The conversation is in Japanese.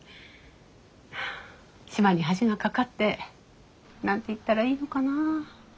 島に橋が架かって何て言ったらいいのかなあ。